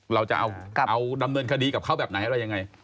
เราจะเอาดำเนินคดีกับเขาแบบไหนอะไรยังไง